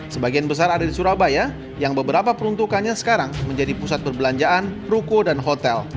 sebagian besar ada di surabaya yang beberapa peruntukannya sekarang menjadi pusat perbelanjaan ruko dan hotel